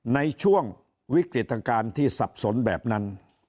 ในช่วงวิกฤตการณ์ที่สับสนแบบนั้น